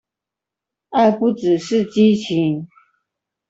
愛不只是激情